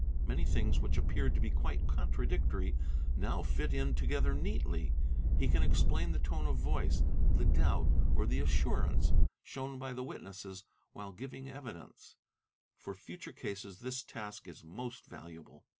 Many things which appeared to be quite contradictory now fit in together neatly: he can explain the tone of voice, the doubt, or the assurance, shown by the witnesses while giving evidence; for future cases this task is most valuable.